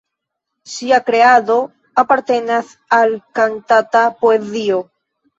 Ŝia kreado apartenas al kantata poezio.